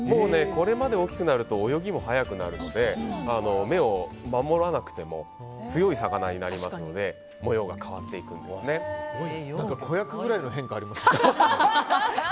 これまで大きくなると泳ぎも速くなるので目を守らなくても強い魚になりますので子役ぐらいの変化ありますね。